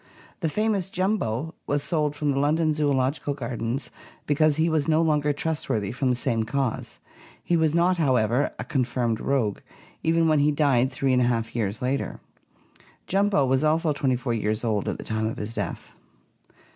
The famous "Jumbo" was sold from the London Zoological Gardens because he was no longer trustworthy from the same cause. He was not, however, a con firmed rogue, even when he died three and a half years later. "Jumbo" was also twenty four years old at the time of his death.